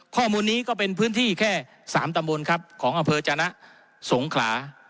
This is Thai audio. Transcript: ข้อมูลนี้ก็เป็นพื้นที่แค่๓ตำบลครับของอำเภอจนะสงขลา